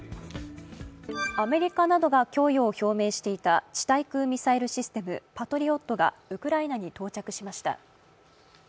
アメリカなどが供与を表明していた地対空ミサイルシステムパトリオットがウクライナに到着しました。